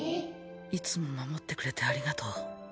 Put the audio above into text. いつも守ってくれてありがとう。